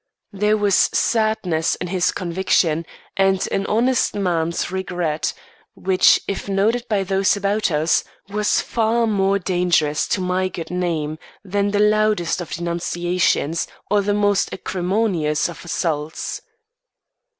There was sadness in his conviction and an honest man's regret which, if noted by those about us was far more dangerous to my good name than the loudest of denunciations or the most acrimonious of assaults.